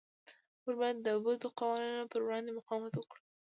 موږ باید د بدو قوانینو پر وړاندې مقاومت وکړو.